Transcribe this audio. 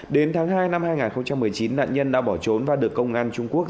đến tháng hai năm hai nghìn một mươi chín nạn nhân đã bỏ trốn và được công an trung quốc